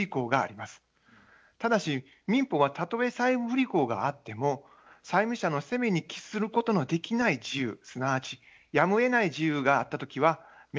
ただし民法はたとえ債務不履行があっても債務者の責めに帰することのできない事由すなわちやむをえない事由があった時は免責されると規定しています。